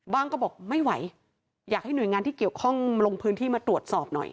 ก็บอกไม่ไหวอยากให้หน่วยงานที่เกี่ยวข้องลงพื้นที่มาตรวจสอบหน่อย